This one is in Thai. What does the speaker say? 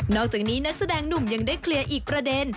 อกจากนี้นักแสดงหนุ่มยังได้เคลียร์อีกประเด็น